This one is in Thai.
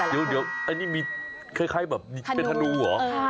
เดี๋ยวอันนี้มีคล้ายแบบเป็นธนูเหรอ